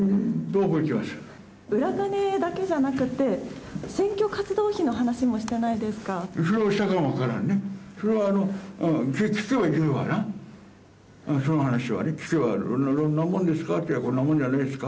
裏金だけじゃなくって、選挙活動費の話もしてないですか？